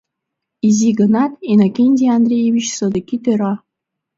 Изи гынат, Иннокентий Андреевич содыки тӧра.